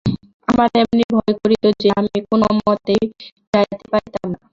আমার এমনি ভয় করিত যে, আমি কোন মতেই যাইতে পারিতাম না।